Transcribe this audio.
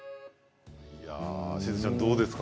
しずちゃん、どうですか？